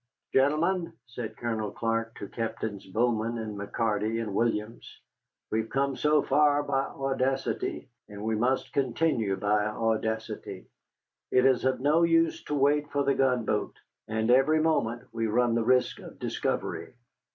"Gentlemen," said Colonel Clark to Captains Bowman and McCarty and Williams, "we have come so far by audacity, and we must continue by audacity. It is of no use to wait for the gunboat, and every moment we run the risk of discovery.